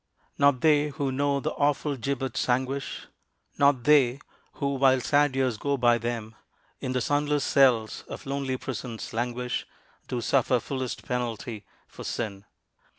Not they who know the awful gibbet's anguish, Not they who, while sad years go by them, in The sunless cells of lonely prisons languish, Do suffer fullest penalty for sin.